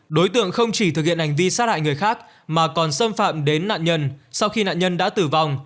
đối tượng không chỉ thực hiện hành vi sát hại người khác mà còn xâm phạm đến nạn nhân sau khi nạn nhân đã tử vong